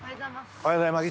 おはようございます。